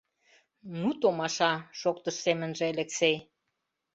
— Ну, томаша! — шоктыш семынже Элексей.